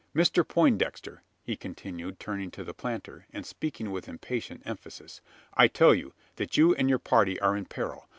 Mr Poindexter," he continued, turning to the planter, and speaking with impatient emphasis, "I tell you, that you and your party are in peril.